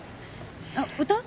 あっ歌う？